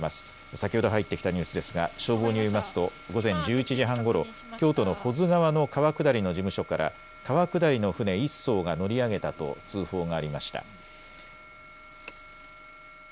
先ほど入ってきたニュースですが消防によりますと午前１１時半ごろ、京都の保津川の川下りの事務所から川下りの舟１そうが乗り上げたと通報がありました。